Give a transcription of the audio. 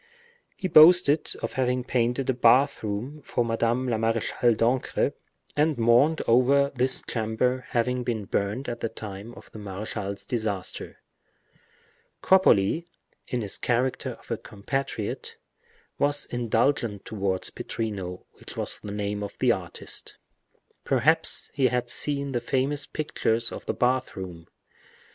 He boasted of having painted a bath room for Madame la Marechale d'Ancre, and mourned over this chamber having been burnt at the time of the marechal's disaster. Cropoli, in his character of a compatriot, was indulgent towards Pittrino, which was the name of the artist. Perhaps he had seen the famous pictures of the bath room.